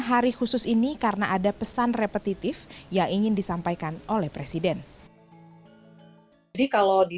hari khusus ini karena ada pesan repetitif yang ingin disampaikan oleh presiden jadi kalau di